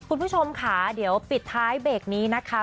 คุณผู้ชมค่ะเดี๋ยวปิดท้ายเบรกนี้นะคะ